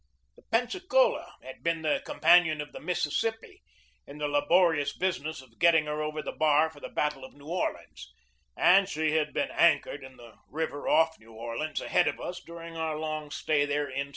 " The Pensacola had been the companion of the Mississippi in the laborious busi ness of getting her over the bar for the battle of New Orleans, and she had been anchored in the river off New Orleans ahead of us during our long stay there in '62.